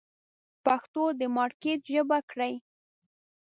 پښتو د مارکېټ ژبه کړئ.